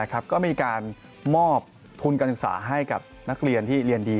ก็มีการมอบทุนการศึกษาให้กับนักเรียนที่เรียนดี